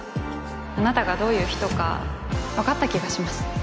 あなたがどういう人か分かった気がします